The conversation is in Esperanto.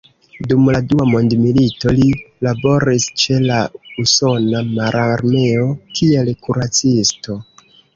Dum la dua mondmilito, li laboris ĉe la usona mararmeo kiel kuracisto.